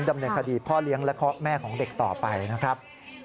ดำเนินคดีพ่อเลี้ยงและแม่ของเด็กต่อไปนะครับ